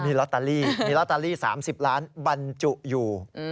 มีลอตเตอรี่มีลอตเตอรี่๓๐ล้านบรรจุอยู่